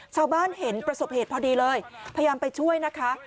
ชาวบ้านเห็นประสบเหตุพอดีเลยพยายามไปช่วยนะคะ